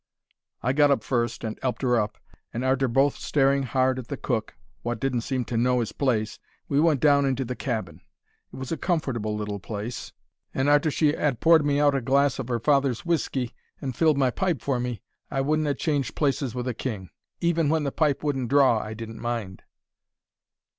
"I got up first and 'elped her up, and, arter both staring hard at the cook, wot didn't seem to know 'is place, we went down into the cabin. It was a comfortable little place, and arter she 'ad poured me out a glass of 'er father's whisky, and filled my pipe for me, I wouldn't ha' changed places with a king. Even when the pipe wouldn't draw I didn't mind.